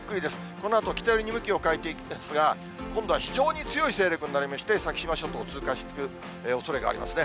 このあと北寄りに向きを変えていくんですが、今度は非常に強い勢力になりまして、先島諸島を通過していくおそれがありますね。